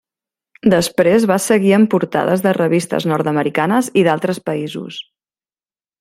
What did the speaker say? Després va seguir en portades de revistes nord-americanes i d'altres països.